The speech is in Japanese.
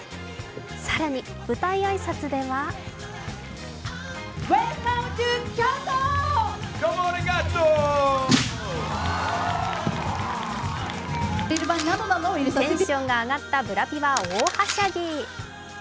更に、舞台挨拶ではテンションが上がったブラピは大はしゃぎ。